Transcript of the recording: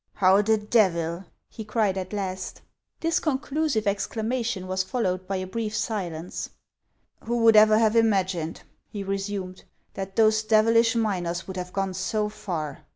How the devil !" he cried at last. This conclusive exclamation was followed by a brief silence. "Who would ever have imagined," he resumed, "that those devilish miners would have gone so far ?